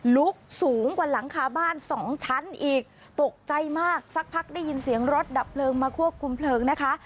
ลุกสูงกว่าหลังคาบ้านสองชั้นอีกตกใจมากสักพักได้ยินเสียงรถดับเพลิงมาควบคุมเพลิงนะคะ